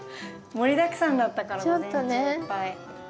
盛りだくさんだったから午前中いっぱい。